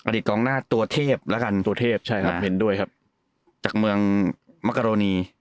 กองหน้าตัวเทพแล้วกันตัวเทพใช่ครับเห็นด้วยครับจากเมืองมกรณี